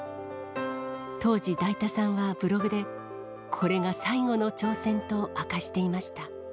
当時、だいたさんはブログで、これが最後の挑戦と明かしていました。